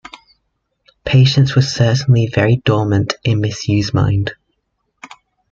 Patience was certainly very dormant in Miss U.’s mind.